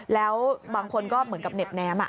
แล้วบางคนก็เหมือนกับเหน็บแน้ม